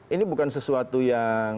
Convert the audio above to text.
ini bukan sesuatu yang